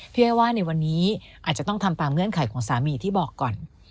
พี่อ้อยว่าในวันนี้อาจจะต้องทำตามเงื่อนไขของสามีที่บอกก่อน